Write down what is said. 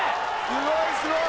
すごいすごい！